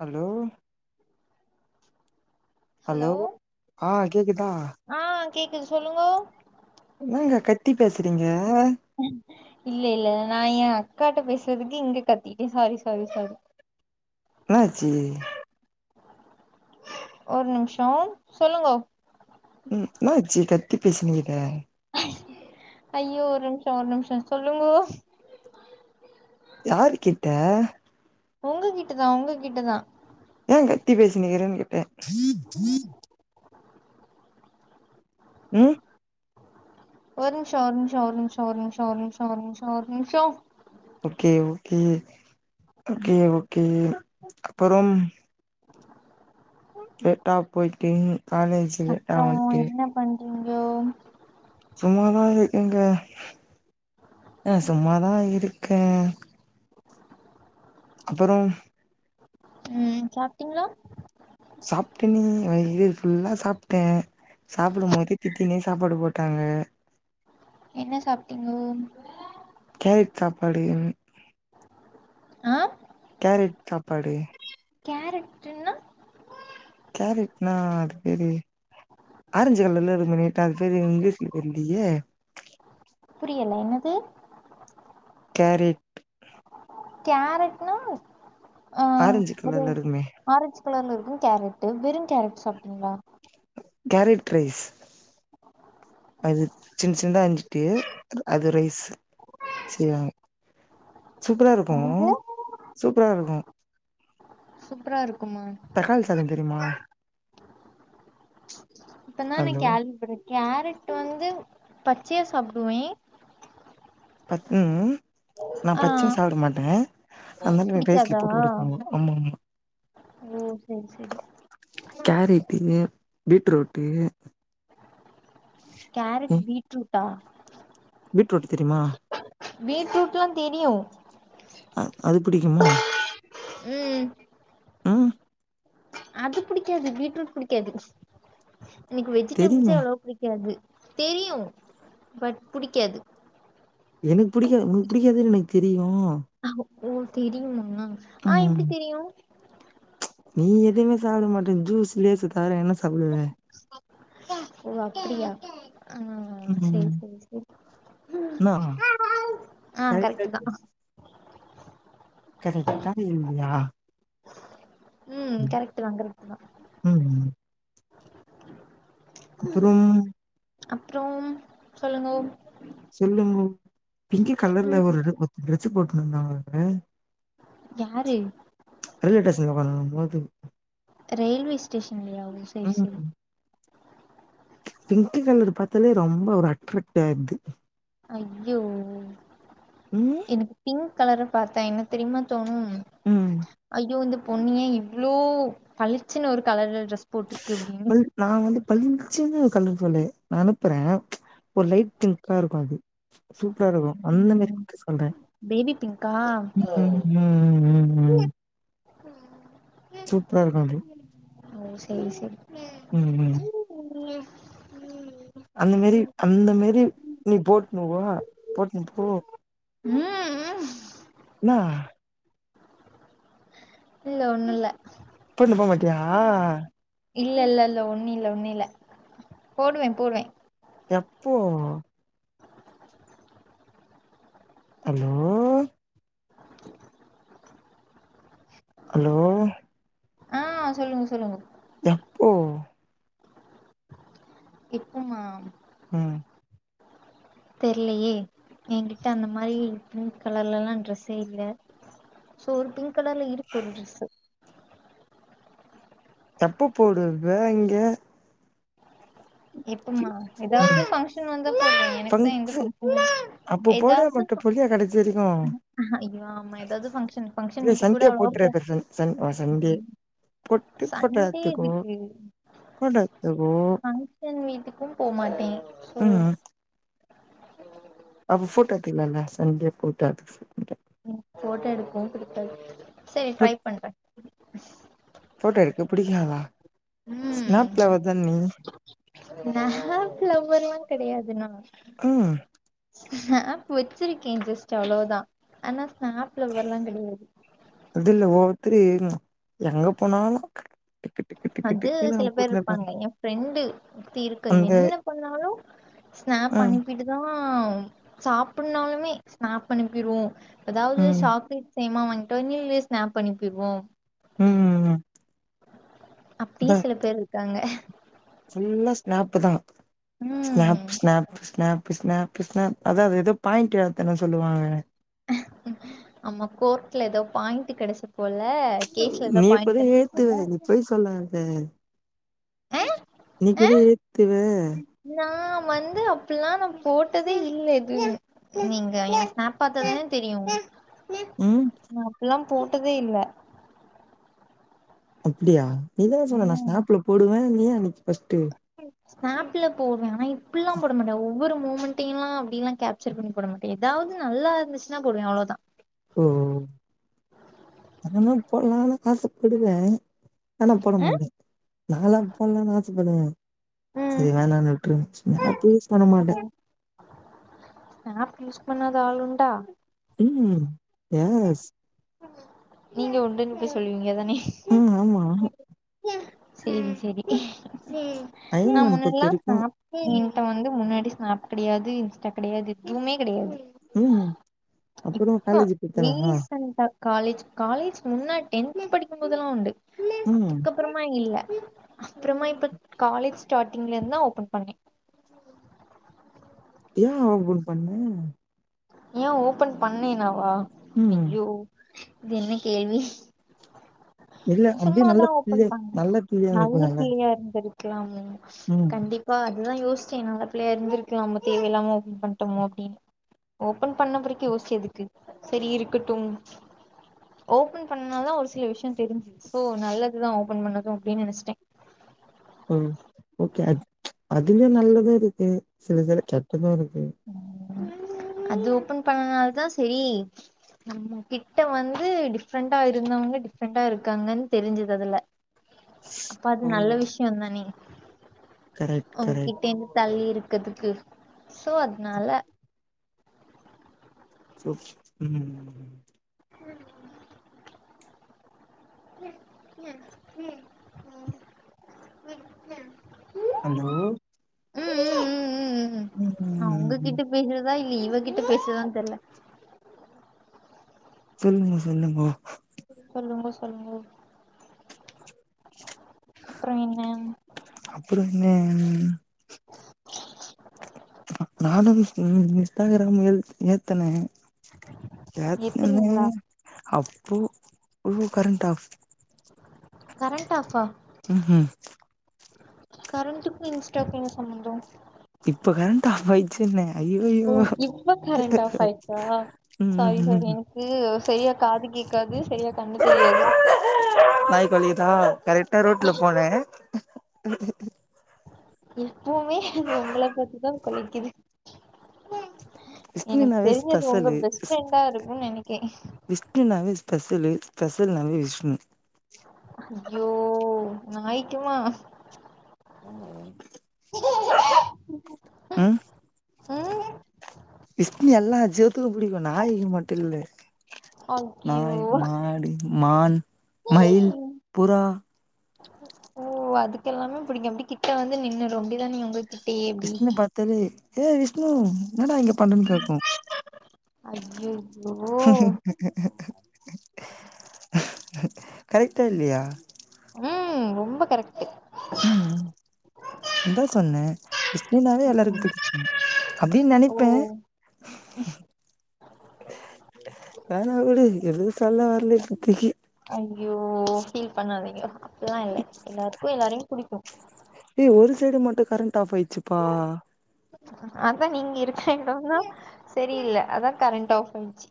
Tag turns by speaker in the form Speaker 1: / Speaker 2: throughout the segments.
Speaker 1: Hello hello ஆஹ் கேக்குதா
Speaker 2: ஆ கேக்குது சொல்லுங்கோ
Speaker 1: என்னங்க கத்தி பேசுறீங்க
Speaker 2: இல்ல இல்ல நா ஏன் ஆ அக்காட்ட பேசுறதுக்கு இங்க கத்திட்டே சாரி சாரி சாரி
Speaker 1: என்னாச்சி
Speaker 2: ஒரு நிமிஷம் சொல்லுங்கோ
Speaker 1: ம் என்னாச்சி கத்தி பேசுனீங்க இப்ப
Speaker 2: ஐயோ ஒரு நிமிஷம் ஒரு நிமிஷம் சொல்லுங்கோ
Speaker 1: யாரு கிட்ட
Speaker 2: உங்ககிட்டதா உங்ககிட்டதா
Speaker 1: ஏன் கத்தி பேசினிக்கிறேன்னு கேட்டேன் உம்
Speaker 2: ஒரு நிமிஷம் ஒரு நிமிஷம் ஒரு நிமிஷம் ஒரு நிமிஷம் ஒரு நிமிஷம் ஒரு நிமிஷம் ஒரு நிமிஷம்
Speaker 1: ஓகே ஓகே ஓகே ஓகே அப்புறம் சேரி பாப்போ இப்ப காலேஜ் லேட் ஆவலயா
Speaker 2: அப்றோ
Speaker 1: உனக்கு
Speaker 2: என்ன பண்றீங்கோ
Speaker 1: சும்மாதா இருக்கங்க ஆஹ் சும்மாதான் இருக்கேன் அப்புறம்
Speaker 2: ம் சாப்பிட்டீங்களா
Speaker 1: சாப்ட்டனே வயிறு ஃபுல்லா சாப்பிட்டே சாப்டும் போது திட்டினே சாப்பாடு போட்டாங்க
Speaker 2: என்ன சாப்பிட்டீங்கோ
Speaker 1: [unintelligible]
Speaker 2: ஆஹ்
Speaker 1: கேரட் சாப்பாடு
Speaker 2: கேரட்டுன்னா
Speaker 1: கேரட்னா அது பேரி ஆரஞ்சு கலர்லலாம் இருக்கும் நீட்டா அது பேரு இங்கிலீஷ்ல தெரிலையே
Speaker 2: புரியல என்னது
Speaker 1: கேரிட்
Speaker 2: கேரட் னா
Speaker 1: ஆரஞ்சு கலர்ல இருக்குமே
Speaker 2: கலர்ல இருக்கு கேரட்டு வெறு கேரட் சாப்ட்டீங்ளா
Speaker 1: கேரட் க்ரைஸ் அது சின் சின்தா அஞ்சுட்டு அது ரைஸ் சியா சூபரா இருக்கு
Speaker 2: என்னது
Speaker 1: சூபரா இருக்கு
Speaker 2: சூப்பரா இருக்குமா
Speaker 1: தக்காளி சாத தெரிமா
Speaker 2: இப்பந்தா நா
Speaker 1: ஹலோ
Speaker 2: க்யாள்வி படே கேரட் வந்து பச்யா சாப்டுவே
Speaker 1: பத் ம் ம் நா
Speaker 2: ஆ
Speaker 1: பச்யு சாவ்ட மாட்ட அந்தானு வெட் போட்டு ரைஸ்ல
Speaker 2: புடிக்காதா
Speaker 1: போட்டு குடுப்பாங்கோ ஆமம்மா
Speaker 2: ஓ செரி செரி
Speaker 1: கேரிட்டு பீட்ரோட்டு
Speaker 2: கேரட் பீட்ரூட்டா
Speaker 1: வீட்ரோட்டு தெரிமா
Speaker 2: வீட்ரூட்லா தெரியு
Speaker 1: அ அது பிடிக்குமா
Speaker 2: ம் அது புடிக்காது பீட்ரூட் புடிக்காது எனுக்கு வெஜிடபுள்ஸே
Speaker 1: தெரியுமே
Speaker 2: எவ்வளவா புடிக்காது தெரியு பட் புடிக்காது
Speaker 1: எனுக் புடிக்காத் உனுக் புடிக்காதுன்னு எனக் தெரியு
Speaker 2: ஒ தெரியுமா அ
Speaker 1: ம்.
Speaker 2: எப்டி தெரியு
Speaker 1: நீ எதுமே சாப்ட மாட்ட ஜூஸ் லேசு தவர என்ன சாப்புடுவ
Speaker 2: ஒ அப்டியா அ சேரி
Speaker 1: ம்.
Speaker 2: சேரி சேரி
Speaker 1: நா
Speaker 2: அ
Speaker 1: கரெக்டா
Speaker 2: கரெக்ட்டு தா
Speaker 1: கரெக்ட்டா இல்லியா
Speaker 2: ம் கரெக்ட்டு தா கரெக்ட்டு தா
Speaker 1: ம். குப்புரு
Speaker 2: அப்றோம் சொல்லுங்கோ
Speaker 1: சொல்லுங்கோ பிங்கி கலர்ல
Speaker 2: ம்
Speaker 1: ஒருடு ஒத்து ட்ரெஸ்ஸு போட்டுந்தாங்க [unintelligible]
Speaker 2: யாரு
Speaker 1: ரைவே டேஷ்னுக ஒக்கானுன மோது
Speaker 2: ரெயில்வே ஸ்டேஷன்லியா ஒ சேர் செரி
Speaker 1: பிங்க்கு கலர் பாத்தாலே ரொம்ப ஒரு அட்ரக்ட் ஆயிர்து
Speaker 2: அயோ
Speaker 1: ம்.
Speaker 2: எனக்கு பிங்க் கலர பார்த்தா என்ன தெரிய்மா தோணு
Speaker 1: ம்.
Speaker 2: ஐயோ இந்து பொண்ணு ஏ இவ்ளோ பளிச்சினு ஒரு கலர்ல ட்ரெஸ் ஸ் போட்ருக்கு அப்டினு
Speaker 1: பளிஞ்சினு கலர் சொல்லே நா அனுப்புற ஒரு லைட் பிங்க்கா இருக்கு அது ப்ரா இருக்கு அந்த
Speaker 2: ம்
Speaker 1: மேரிக்கு சொல்றே
Speaker 2: பேபி பிங்க்கா
Speaker 1: ம்
Speaker 2: உஹம்
Speaker 1: சூப்ரா இருக்கு அது
Speaker 2: ஒ செரி செரி
Speaker 1: ம் ம்
Speaker 2: உம்
Speaker 1: அந்த மேரி அந்த மேரி நீ போட்னு வா போட்னு போ
Speaker 2: ம் ம்
Speaker 1: ஆஹ
Speaker 2: இல்ல ஒன்னுல்ல
Speaker 1: இம்ப மட்யா
Speaker 2: இல்ல இல்ல இல்ல ஒன்னில்ல ஒன்னில்ல போடுவே போடுவே
Speaker 1: எப்போ ஹலோ ஹலோ
Speaker 2: ஆ சொல்லுங்க சொல்லுங்க
Speaker 1: எப்போ
Speaker 2: எப்போமா
Speaker 1: ம்
Speaker 2: தெர்லயே ஏங்கிட்ட அந்த மாரி பிங்க் கலர்லல்லா ட்ரெஸ்ஸே இல்ல சோ ஒரு பிங்க் கலர்ல இருக்கு ஒரு ட்ரெஸ்ஸு
Speaker 1: தப்பு போட்றது இங்க
Speaker 2: எப்பமா
Speaker 1: ம்.
Speaker 2: எதாவது ஃபங்க்ஷன் வந்தா போடுறே எனக்குதா
Speaker 1: ஃபங்க்ஷ
Speaker 2: எங்க [unintelligible]
Speaker 1: அப்போ போட மட்டு புளிய கெடைச்சிருக்கு
Speaker 2: ஐயோ ஆமா ஏதாவது ஃபங்க்ஷன் ஃபங்க்ஷன்
Speaker 1: இல்ல
Speaker 2: வீட்டுக்கு கூட
Speaker 1: சந்தியா
Speaker 2: அவ்ளவா போ
Speaker 1: போட்டுருக்றத சந் சந் சந்தே பொட்டு
Speaker 2: சண்டே
Speaker 1: ஃபோட்டத்துக்கு
Speaker 2: இதுக்கு
Speaker 1: ஃபோட்டெத்து போ
Speaker 2: ஃபங்க்ஷன் வீட்டுக்கும் போமாட்டே சோ
Speaker 1: உம்
Speaker 2: [unintelligible]
Speaker 1: அப்ப ஃபோட்டோத்திங்கலன சஞ்சே கூட்ட
Speaker 2: ஃபோட்டோ எடுத்தோ புடிக்காது செரி ட்ரை பண்றே
Speaker 1: ஃபோட்டோ எடுக்க பிடிகாதா
Speaker 2: ம்
Speaker 1: ஸ்னாப்லவ்வர் தான நீ
Speaker 2: ஸ்னாப் லவ்வருல்லா கெடையாது நா
Speaker 1: ம்
Speaker 2: ஸ்னாப் வச்சுருக்கே ஜெஸ்ட் அவ்ளோவுதா ஆனா ஸ்னாப் லவ்வர்லா
Speaker 1: [unintelligible]
Speaker 2: கெடையாது
Speaker 1: அது இல்ல ஒவ்வொருத்துரு ம்ங் எங்க போனாலு டிக்கு டிக்கு டிக்கு
Speaker 2: அது
Speaker 1: டிக்குனு
Speaker 2: சில பேர்
Speaker 1: போட்டுனு
Speaker 2: இருப்பாங்க ஏ ஃப்ரெண்டு ஒருத்தி இருக்கு
Speaker 1: அந்த
Speaker 2: என்ன பண்ணாலு ஸ்னாப்
Speaker 1: ம்
Speaker 2: அனுப்பிட்டு தா ஹ சாப்புட்னாலுமே ஸ்னாப் அனுப்பிடுவோ அதாவ்து
Speaker 1: ம்
Speaker 2: சாப்டு சேங்மாமா வாங்ட்டு நீயே ஸ்னாப் பண்ணி போய்டுவோ
Speaker 1: உம் ம் ம்
Speaker 2: அப்டியே சில பேர் இருக்காங்க
Speaker 1: புல்லா ஸ்னாப் தா ஸ்னாப்
Speaker 2: ம்
Speaker 1: ஸ்னாப் ஸ்னாப் ஸ்னாப் ஸ்னாப் அதாவ அது ஏதோ பாயிண்ட் எத்தன சொல்லுவாங்க
Speaker 2: ஆமா கோர்ட்ல ஏதோ பாயிண்ட் கெடச்ச போல கேஸ்ல எதோ
Speaker 1: நீ கூட
Speaker 2: பாயிண்டு
Speaker 1: ஏத்துவ நீ பொய் நீக்குவ ஏத்துவ
Speaker 2: நான் வந்து அப்புட்ல்லா நா போட்டதே இல்ல இது நீங்க ஏ ஸ்னாப் பாத்தாதான தெரியு உங்
Speaker 1: ம்
Speaker 2: அப்புல்லா போட்டதே இல்ல
Speaker 1: அப்டியா நீதான சொன்ன நா
Speaker 2: ம்
Speaker 1: ஸ்னாப்ல போடுவே நீ அன்னைக்கு ஃபர்ஸ்ட்டு
Speaker 2: ஸ்நாப்ல போட்வே ஆனா இப்புட்ல்லா போட மாட்டே ஒவ்வொரு மூமெண்டெல்லா அப்டில்லா கேப்சர் பண்ணிட மாட்டே எதாவ்து நல்லா இருந்துசுன்னா போடுவே அவ்ளோதா
Speaker 1: ஓ அதெல்லா போட்லானு ஆசப்படுவே ஆனா போட
Speaker 2: அ
Speaker 1: மாட்டே நால்லா போட்லானு ஆச படுவ
Speaker 2: ம்
Speaker 1: செரி வேனா நா விட்டுவச்ருக்க ஆப் யூஸ் பண்ண மாட்டே
Speaker 2: ஸ்னாப் யூஸ் பண்ணாத ஆளுண்டா
Speaker 1: உம் ஏஸ்
Speaker 2: நீங்க உண்டுன்னு போய் சொல்லுவீங்கத
Speaker 1: உம் ஆமா
Speaker 2: செரி செரி நா
Speaker 1: அயன்மேன் பத்தி
Speaker 2: முன்னாட்ல்லா
Speaker 1: இருக்கு
Speaker 2: ஸ்னாப் வந்து முன்னா ஸ்னாப் கிடையாது இன்ஸ்டா கிடையாது எதுவுமே கிடையாது
Speaker 1: ம் அப்பறோ காலேஜு போய்
Speaker 2: ரீசண்டா காலேஜ் காலேஜ் முன்னா டென்து படிக்கும்போதெல்லா உண்டு
Speaker 1: ம்
Speaker 2: அதுக்கப்புறமா இல்ல அப்புறமா இப்ப காலேஜ் ஸ்டார்டிங்ல இருந்தா ஓபன் பண்ணே
Speaker 1: ஏ ஓபன் பண்ணே
Speaker 2: ஏ ஓபன் பண்ணீங்கவா
Speaker 1: ம்
Speaker 2: ஐயோ இது என்ன கேள்வி
Speaker 1: இல்ல அப்டியே
Speaker 2: சும்மாாதா
Speaker 1: நல்ல
Speaker 2: ஓபன்
Speaker 1: பிள்ளை
Speaker 2: பன்னே
Speaker 1: நல்ல பிள்ளையா
Speaker 2: நல்ல
Speaker 1: இருந்திருக்கலால்ல
Speaker 2: பிள்ளயா இருந்தது லா அவங்க [unintelligible]
Speaker 1: ம்
Speaker 2: கண்டிப்பா அதுதா யோச ச நல்ல பிள்ளையா இருந்திருக்கலாம தேவையில்லாம ஓபன் பண்டோமே அப்டின் ஓபன் பண்ண பிறகு யோச்சு எதுக்கு சரி இருக்கட்டும் ஓபன் பண்ணாதா ஒரு சில விஷய தெரி சோ நல்லதுதா ஓபன் பண்ணது அப்டின்னு நனச்சிட்டே
Speaker 1: ம் ஓகே அது அதுல நல்லது இருக்கு சிலதுல கெட்டது இருக்கு ம்
Speaker 2: அது ஓபன் பண்ணனால தா சரி நம்ப கிட்ட வந்து டிஃப்ரெண்டா இருந்தவங்க டிஃப்ரெண்டா இருக்காங்கன்னு தெரிஞ்சது அதுல அப்ப அது நல்ல
Speaker 1: ம்
Speaker 2: விஷிய தானே
Speaker 1: கரெக்ட் கரெக்ட்
Speaker 2: உங்ககிட்டே இருந்து தள்ளி இருக்கறதுக்கு சோ அதுனால
Speaker 1: ஸ்லோ ம் ம் ம் ம் ம் ம்
Speaker 2: ம் ம் உம் உம் உம் உம் உம் உம்
Speaker 1: ஹலோ
Speaker 2: ம் ம் ம் ம்
Speaker 1: ம் ம் ம் ம்
Speaker 2: தா இல்ல இவகிட்ட பேச்றதான் தெரில
Speaker 1: சொல்லுங்க சொல்லுங்கோ
Speaker 2: சொல்லுங்கோ சொல்லுங்கோ அப்புற என்ன
Speaker 1: ம் நானு இன்ஸ்ட் இன்ஸ்டாகிராம் ஏ ஏத்துனே யாத்துனே
Speaker 2: எத்துனீங்களா
Speaker 1: அப்போ உ கரண்ட் ஆஃப்
Speaker 2: கரண்ட் ஆஃபா கரண்ட்டுக்கு இன்ஸ்டாக்கு என்ன சம்மந்தோ
Speaker 1: இப்ப கரண்ட்டு ஆஃப் ஆயிச்சுன்னே ஐயயோ
Speaker 2: ஓ இப்ப கரண்ட் ஆஃப் ஆயிடுச்சா சாரி சாரி எனக்கு சரியா காது கேக்காது சரியா கண்ணு தெரியாது
Speaker 1: நாய் கொலைக்கிதா கரெக்டா ரோட்டுல போனே
Speaker 2: எப்போமே அது உங்கள பாத்துதா கொலைக்கிது
Speaker 1: விஷ்ணு நாவே
Speaker 2: அது உங்க
Speaker 1: ஸ்பெஷலு
Speaker 2: பெஸ்ட்
Speaker 1: விஷ்
Speaker 2: ஃப்ரெண்டா இருக்குன்னு நெனைக்கே
Speaker 1: விஷ்ணு நாவே ஸ்பெஷ் ஷலு ஸ்பெஷல் நாவே விஷ்ணு
Speaker 2: ஐயோ நாய்க்குமா
Speaker 1: ஆமாங்க ம்
Speaker 2: ம்
Speaker 1: விஷ்னு நல்லா விஷ்யத்துல புடிக்கு நாயி மட்டு இல்ல
Speaker 2: ஐயோ
Speaker 1: நாய் மாடு மான் மயில் புறா
Speaker 2: ஓ அதுக்கெல்லாமே புடிக்கு அப்டி கிட்ட வந்து நின்னுடு அப்டிதா நீங்க உங்க
Speaker 1: விஷ்ணு பாத்தாலே ஏய் விஷ்ணு என்னடா இங்க பண்றேனு கேக்கு
Speaker 2: ஐயையோ
Speaker 1: கரக்டா இல்லையா
Speaker 2: ம் ரொம்ப கரெக்டு
Speaker 1: ம் அந்தா சொன்ன விஷ்ணுனாலே
Speaker 2: ம்
Speaker 1: எல்லாருக்கு புடிக்கும் அப்டின்னு
Speaker 2: ஓ
Speaker 1: நெனைப்பேன் வேணா வுடு எதுவு சொல்ல வர
Speaker 2: ஐயோ ஃபீல் பண்ணாதீங்க அப்பில்லா இல்ல எல்லாருக்கு எல்லாரையு புடிக்கு
Speaker 1: ஏய் ஒரு சைடு மட்டு கரண்ட் ஆஃப் ஆய்ச்சிப்பா
Speaker 2: அதா நீங்க இருக்கற எடந்தான் சரியில்ல அதான் கரண்ட் ஆஃப் ஆயிடுச்சி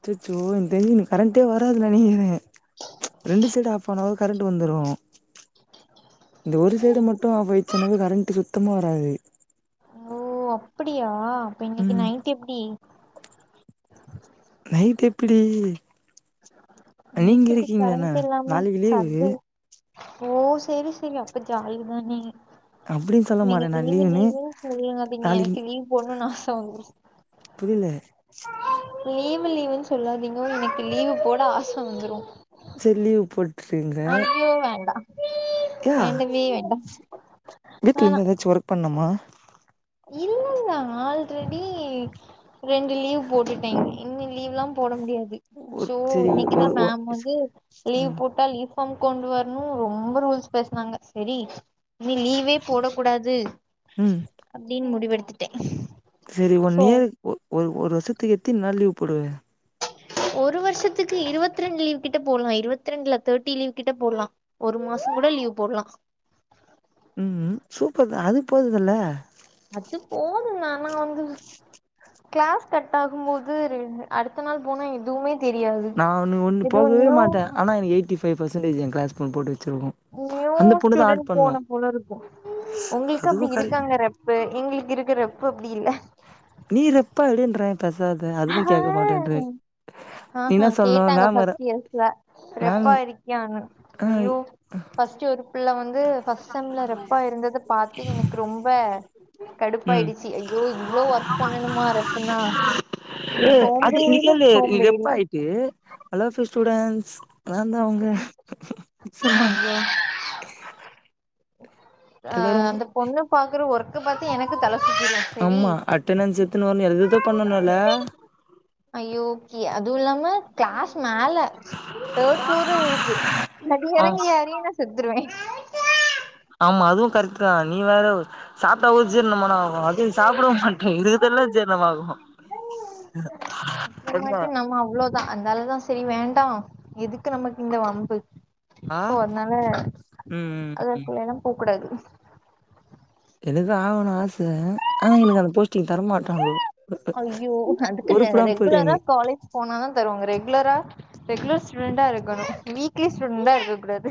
Speaker 1: அச்சசோ எனக்கு தெரிஞ்சி இன்னக்கி கரண்ட்டே வராது நெனக்கிரேன் ரெண்டு சைடும் ஆஃப் ஆன கரண்ட் வந்துரு இந்த ஒரு சைடு மட்டு ஆஃப் ஆயிச்சுனாவே கரண்ட் சுத்தமா வராது
Speaker 2: அப்டியா அப்ப இன்னைக்கு
Speaker 1: ம்
Speaker 2: நைட் எப்டி
Speaker 1: தெப்டி நீங்க
Speaker 2: நைட் எப்டி
Speaker 1: இருக்கீங்கதாண்ண
Speaker 2: கரண்ட் இல்லாம
Speaker 1: நாளைக்கு லீவு
Speaker 2: சர்து ஓ செரி செரி அப்ப ஜாலிதா நீங்க
Speaker 1: அப்டின்னு சொல்ல மாட்டே
Speaker 2: நீங்க
Speaker 1: நா
Speaker 2: லீவு
Speaker 1: லீவுன்னு
Speaker 2: லீவுன் சொல்லாதீங்க எனக்கு லீவ் போட்ணுனு ஆச வந்துரு
Speaker 1: புரியில
Speaker 2: லீவு லீவுன் சொல்லாதீங்க எனக்கு லீவு போட ஆச வந்துரு
Speaker 1: செரி லீவ் போடு
Speaker 2: ஐயோ வேண்டா
Speaker 1: யா
Speaker 2: வேண்டவே வேண்டா
Speaker 1: வீட்ல இருந்து ஏதாச்சு ஒர்க் பண்ணுமா
Speaker 2: இல்லல்ல ஆல்ரெடி ரெண்டு லீவ் போட்டுட்டேங்க இன்னி லீவ்ல்லா போட முடியாது து
Speaker 1: ஒரு
Speaker 2: சோ
Speaker 1: செரி
Speaker 2: இன்னைக்கு தா
Speaker 1: ஒரு ஒ
Speaker 2: மேம் வந்து லீவ்
Speaker 1: ம்
Speaker 2: போட்டா லீவ் ஃபார்ம் கொண்டு வரணு ரொம்ப ரூல்ஸ் பேசுனாங்க செரி இனி லீவே போடக் கூடாது
Speaker 1: ம்
Speaker 2: முடிவெடுத்துட்டே
Speaker 1: செரி ஒன்
Speaker 2: சோ
Speaker 1: இயர் ஒ ஒ ஒரு வருஷத்துக்கு எத்தின் நாள் லீவ் போடுவ
Speaker 2: ஒரு வருஷத்துக்கு இருவத்ரெண்டு லீவ் கிட்ட போட்லா இருவத்தி ரெண்டுல தேர்ட்டி லீவ் கிட்ட போட்லா ஒரு மாச கூட லீவ் போட்லா
Speaker 1: ம் சூப்பர் தா அது போகுதுல்ல
Speaker 2: அது போதுங்க ஆனா வந்து க்ளாஸ் கட் ஆகும் போது அடுத்த நாள் போனா எதுவுமே தெரியாது
Speaker 1: நா ஒன்னு ஒன்னு
Speaker 2: எதோ
Speaker 1: போகவே
Speaker 2: நியூ
Speaker 1: மாட்ட ஆனா எனகு எயிட்டி ஃபைவ் பர்சன்டேஜ் என் க்ளாஸ் மேம் போட்டு வப் சிருக்கு
Speaker 2: நியூ
Speaker 1: அந்த பொண்ணு தா ஆட்
Speaker 2: ஸ்டூடெண்ட்
Speaker 1: பண்ணு
Speaker 2: போன போல இருக்கு உங்களுக்கு
Speaker 1: அதுவு
Speaker 2: அப்டி
Speaker 1: கரெக்ட்
Speaker 2: இருக்காங்க ரெப்பு எங்ளுக்கு இருக்க ரெப்பு அப்டி இல்ல
Speaker 1: நீ ரெப்பா எடுன்றே பெசாத அதுவு கேக்க மாட்டேன்று
Speaker 2: ஆஹ் ஆஹா கேட்டாங்க ஃபஸ்ட் இயர்ஸ்ல
Speaker 1: மேம்
Speaker 2: ரெப்பா இருக்கியானு
Speaker 1: ஆ
Speaker 2: ஐயோ ஃபஸ்ட் ஒரு பிள்ள வந் து ஃபஸ்ட் செம்ல ரெப்பா இருந்தது பாத்தி எனக்கு ரொம்ப
Speaker 1: ம்
Speaker 2: கடுப்பாயிடுச்சி ஐயோ இவ்ளோ ஒர்க் பண்ணணுமா ரெப்புனா
Speaker 1: ஏ அதுக்கு
Speaker 2: சோம்பேறில
Speaker 1: நிக்கல்லு நீ
Speaker 2: சோம்பேறி
Speaker 1: ரெப்பாயிட்டு ஆல் ஆஃப் யூ ஸ்டூடன்ஸ் நாந்தா உங்க [unintelligible]
Speaker 2: ஐயோ
Speaker 1: [inaudible]
Speaker 2: ஆ
Speaker 1: எல்லாரு
Speaker 2: அந்த பொண்ணு பாக்குற ஒர்க்க பாத்து எனக்கு தல சுத்திரும் செரி
Speaker 1: ஆமா அட்டனன்ஸ் எத்துன்னு வரணு எது எதோ பண்ணணுல்ல
Speaker 2: ஐயோ அதுவு இல்லாம க்ளாஸ் மேல தேர்ட் ஃப்ளோரு இருக்கு அது
Speaker 1: ஆ
Speaker 2: எறங்கி ஏறி நா செத்துருவ
Speaker 1: ஆமா அதுவு கரெக்டு தா நீ வேற சாப்ட்டாவு ஜீர்ணமானா ஆகு அது நீ சாப்டவு மாட்ர இருக்குறதெல்லா ஜீர்ணமாகு
Speaker 2: அப்றமாட்டி நம்ம அவ்ளோதா அந்தாலதா சரி வேண்டா எதுக்கு நமக்கு இந்த வம்பு
Speaker 1: ஆ
Speaker 2: சோ அத்னால
Speaker 1: ம் ம் ம்
Speaker 2: அதுக்குள்ள எல்லா போ கூடாது
Speaker 1: எதுதா ஆவனு ஆ ச ஆனா எனக்கு அந்த போஸ்டிங் தர மாட்ராங்கோ உருப்புடாம் போய்டேனு
Speaker 2: போனா தா தருவாங்க ரெகுலரா ரெகுலர் ஸ்டுடெண்டா இருக்கனு வீக்லி ஸ்டுடென்டா இருக்க கூடாது